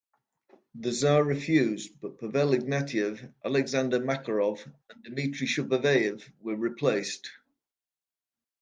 The tsar refused, but Pavel Ignatieff, Alexander Makarov and Dmitry Shuvayev were replaced.